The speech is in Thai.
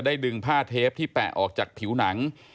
ดึงผ้าเทปที่แปะออกจากผิวหนัง